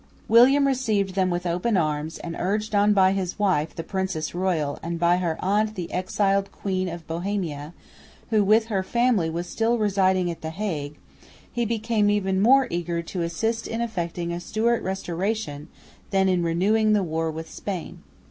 William received them with open arms and, urged on by his wife, the Princess Royal, and by her aunt the exiled Queen of Bohemia, who with her family was still residing at the Hague, he became even more eager to assist in effecting a Stewart restoration than in renewing the war with Spain.